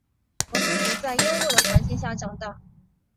罗斯福在优渥的环境下长大。